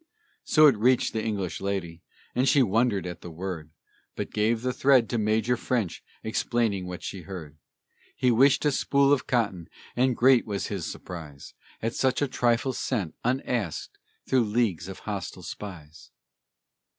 So it reached the English lady, and she wondered at the word, But gave the thread to Major French, explaining that she heard He wished a spool of cotton, and great was his surprise At such a trifle sent, unasked, through leagues of hostile spies.